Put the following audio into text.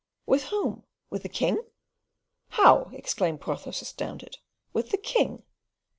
"With whom? with the king?" "How!" exclaimed Porthos, astounded, "with the king?"